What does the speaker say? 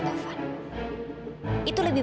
taufan itu lebih